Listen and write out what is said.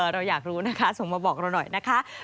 เราอยากรู้นะคะส่งมาบอกเราหน่อยนะคะ